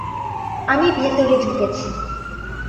আমি ভেতরে ঢুকেছি।